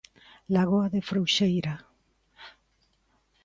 Lagoa da Frouxeira.